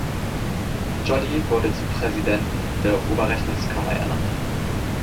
Jolly wurde zum Präsidenten der Oberrechnungskammer ernannt.